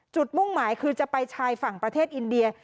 มุ่งหมายคือจะไปชายฝั่งประเทศอินเดีย